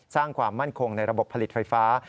สร้างความมั่นคงในระบบผลิตไฟฟ้า